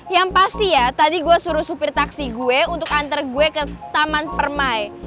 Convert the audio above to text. yang pasti ya tadi gue suruh supir taksi gue untuk antar gue ke taman permai